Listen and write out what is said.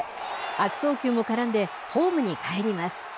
悪送球も絡んでホームにかえります。